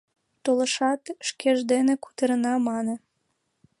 Толешат, шкеж дене кутырена, мане.